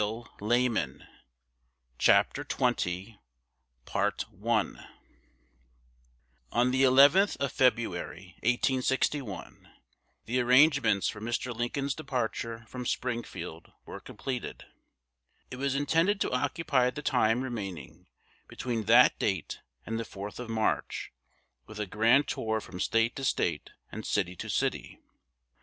Very truly, W. H. Herndon. CHAPTER XX ON the 11th of February, 1861, the arrangements for Mr. Lincoln's departure from Springfield were completed. It was intended to occupy the time remaining between that date and the 4th of March with a grand tour from State to State and city to city.